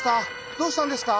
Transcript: どうしたんですか？